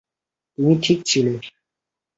তুমিই ঠিক ছিলে।